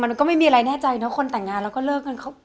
มันก็ไม่มีอะไรแน่ใจเนอะคนแต่งงานแล้วก็เลิกกัน